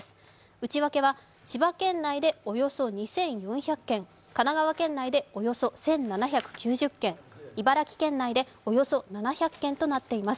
内訳は千葉県内でおよそ２４００軒神奈川県内でおよそ１７９０件、茨城県内でおよそ７００軒となっています。